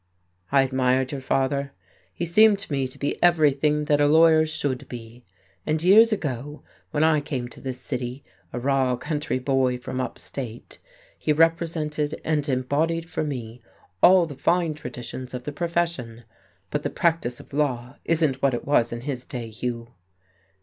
"I admired your father. He seemed to me to be everything that a lawyer should be. And years ago, when I came to this city a raw country boy from upstate, he represented and embodied for me all the fine traditions of the profession. But the practice of law isn't what it was in his day, Hugh."